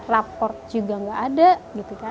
raport juga nggak ada